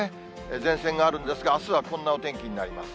前線があるんですが、あすはこんなお天気になります。